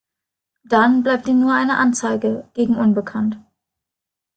Dann bleibt ihm nur eine Anzeige gegen unbekannt.